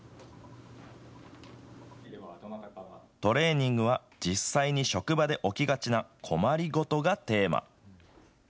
トレーニングは、実際に職場で起きがちな困りごとがテーマ。